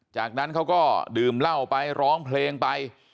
จากนั้นเขาก็ดื่มเหล้าไปร้องเพลงไป